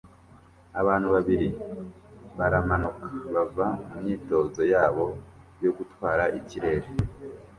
Abantu babiri baramanuka bava mumyitozo yabo yo gutwara ikirere